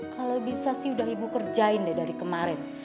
kalau bisa sih udah ibu kerjain deh dari kemarin